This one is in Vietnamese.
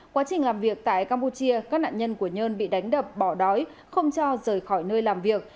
quá trình làm việc tại campuchia các nạn nhân của nhơn bị đánh đập bỏ đói không cho rời khỏi nơi làm việc